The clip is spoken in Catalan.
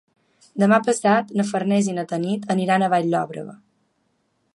Demà passat na Farners i na Tanit aniran a Vall-llobrega.